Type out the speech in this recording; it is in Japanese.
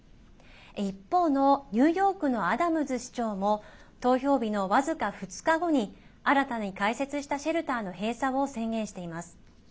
一方のニューヨークのアダムズ市長も投票日の、わずか２日後に新たに開設したシェルターの閉鎖を宣言しています。